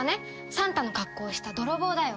サンタの格好をした泥棒だよ。